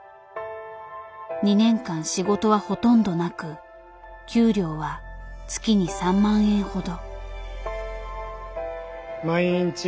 ２年間仕事はほとんどなく給料は月に３万円ほど。